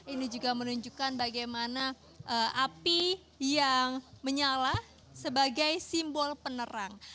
ini juga menunjukkan bagaimana api yang menyala sebagai simbol penerang